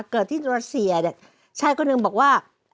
เกิดที่โดนรัสเซียเนี่ยชายคนหนึ่งบอกว่า